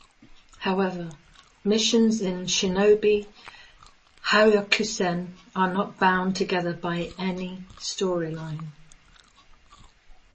However, missions in "Shinobi Hyakusen" are not bound together by any storyline.